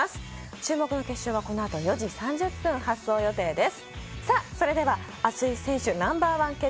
注目の決勝はこのあと４時３０分、発走予定です。